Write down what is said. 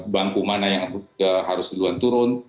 bangku mana yang harus duluan turun